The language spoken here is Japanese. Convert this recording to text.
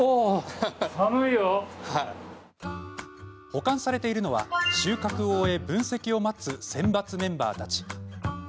保管されているのは、収穫を終え分析を待つ選抜メンバーたち。